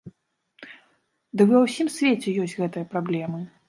Ды ва ўсім свеце ёсць гэтыя праблемы!